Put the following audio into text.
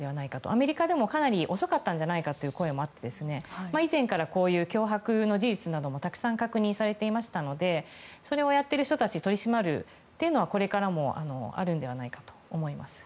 アメリカでもかなり遅かったんじゃないかという声もあって以前から、こういう脅迫の事実などもたくさん確認されていましたのでそれをやってる人たちを取り締まるというのはこれからもあるのではないかと思います。